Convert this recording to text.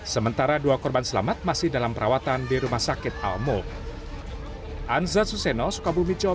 sementara dua korban selamat masih dalam perawatan di rumah sakit al mub